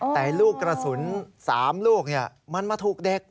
แต่ลูกกระสุน๓ลูกมันมาถูกเด็ก